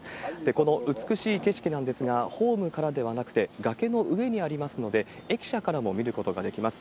この美しい景色なんですが、ホームからではなくて、崖の上にありますので、駅舎からも見ることができます。